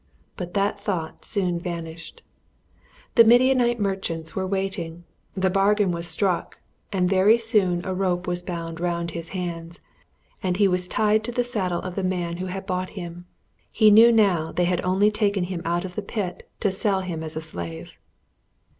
But that thought soon vanished. The Midianite merchants were waiting, the bargain was struck, and very soon a rope was bound round his hands, and he was tied to the saddle of the man who had bought him. He knew now they had only taken him out of the pit to sell him as a slave.